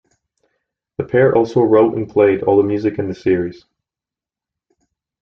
The pair also wrote and played all the music in the series.